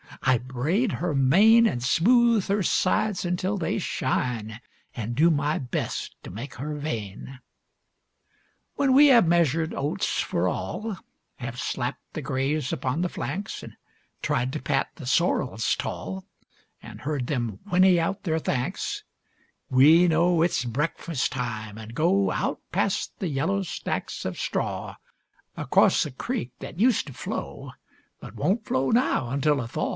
I braid her mane, An' smooth her sides until they shine, An' do my best to make her vain. When we have measured oats for all, Have slapped the grays upon the flanks, An' tried to pat the sorrels tall, An' heard them whinny out their thanks, We know it's breakfast time, and go Out past the yellow stacks of straw, Across the creek that used to flow, But won't flow now until a thaw.